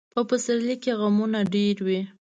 په پسرلي کې غمونه ډېر وي.